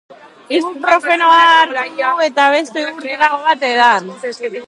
Ibuprofenoa hartu du eta beste ur trago bat edan.